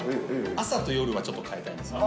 朝と夜はちょっと変えたいんです。